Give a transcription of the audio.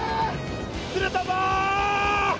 釣れたぞ！